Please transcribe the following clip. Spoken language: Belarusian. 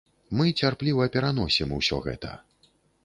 Мы цярпліва пераносім усё гэта.